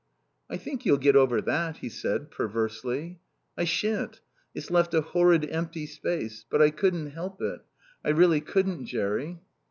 "I think you'll get over that," he said, perversely. "I shan't. It's left a horrid empty space. But I couldn't help it. I really couldn't, Jerry."